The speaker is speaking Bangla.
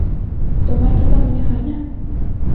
তোমার কি তা মনে হয় না?